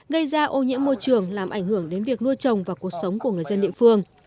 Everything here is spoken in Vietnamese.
gây ra ô nhiễm môi trường làm ảnh hưởng đến việc nuôi trồng và cuộc sống của người dân địa phương